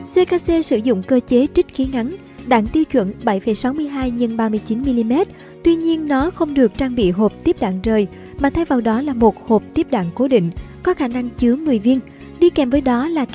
ckc sử dụng cơ chế trích khí ngắn đạn tiêu chuẩn bảy sáu mươi hai x ba mươi chín mm tuy nhiên nó không được trang bị hộp tiếp đạn rời mà thay vào đó là một hộp tiếp đạn cố định có khả năng chứa một mươi viên đi kèm với đó là thuốc